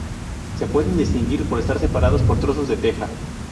Se pueden distinguir por estar separados por trozos de teja.